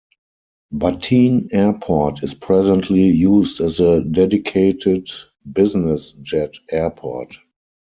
Bateen Airport is presently used as a dedicated business jet airport.